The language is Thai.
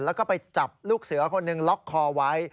แล้วก็ไปจับลูกเสือคนหนึ่งล็อกคอไว้